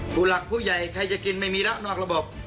ผู้หลักผู้ใหญ่ใครจะกินไม่มีแล้วนอกระบบ